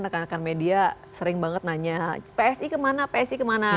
rekan rekan media sering banget nanya psi kemana psi kemana